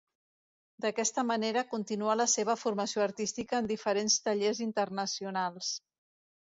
D’aquesta manera continuà la seva formació artística en diferents tallers internacionals.